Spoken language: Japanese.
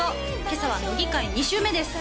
今朝は乃木回２週目です